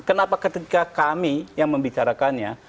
kenapa ketika kami yang membicarakannya